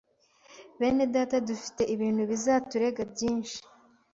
Bene Data dufite ibintu bizaturega byinshi